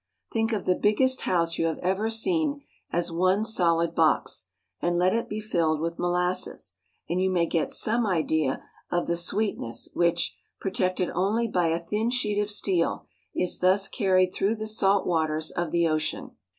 Think of the biggest house you have ever seen as one solid box, and let it be filled with molasses, and you may get some idea of the sweet ness which, protected only by a thin sheet of steel, is thus carried through the salt waters of the ocean.